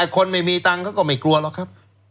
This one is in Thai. คนไม่มีตังค์เขาก็ไม่กลัวหรอกครับ